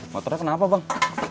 motornya kenapa bang